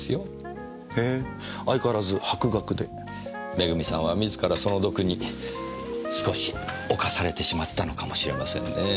恵さんは自らその毒に少し侵されてしまったのかもしれませんねぇ。